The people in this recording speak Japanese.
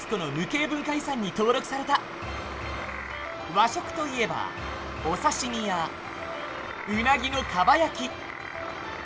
和食といえばお刺身やうなぎのかば焼き。